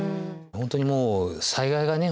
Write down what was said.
本当にもう災害がね